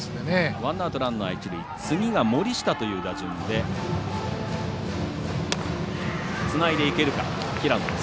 ワンアウトランナー、一塁、次が森下という打順でつないでいけるか平野です。